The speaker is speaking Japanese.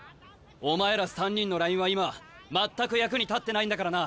お前ら３人のラインは今全く役に立ってないんだからな！